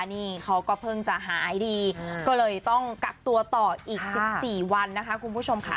นี่เขาก็เพิ่งจะหายดีก็เลยต้องกักตัวต่ออีก๑๔วันนะคะคุณผู้ชมค่ะ